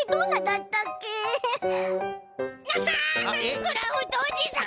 クラフトおじさん！